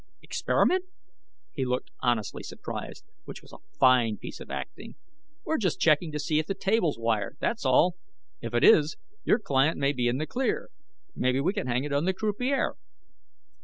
"Experiment?" He looked honestly surprised, which was a fine piece of acting. "We're just checking to see if the table's wired, that's all. If it is, your client may be in the clear; maybe we can hang it on the croupier."